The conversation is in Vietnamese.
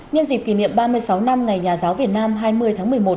nhân dịp kỷ niệm ba mươi sáu năm ngày nhà giáo việt nam hai mươi tháng một mươi một